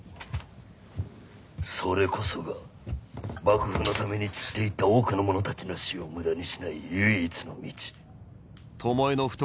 それこそが幕府のために散って行った多くの者たちの死を無駄にしない唯一の道。